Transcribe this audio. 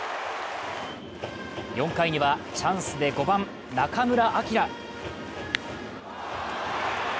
４回にはチャンスで５番・中村晃。